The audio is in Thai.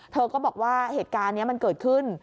เธอก็บอกว่าเหตุการณ์นี้มันเกิดขึ้น